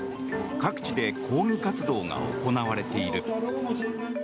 各地で抗議活動が行われている。